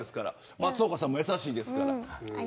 松岡さんも優しいです。